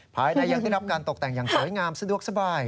ภายในยังได้รับการตกแต่งอย่างสวยงามสะดวกสบาย